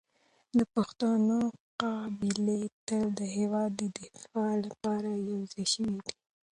د پښتنو قبایل تل د هېواد د دفاع لپاره يو ځای شوي دي.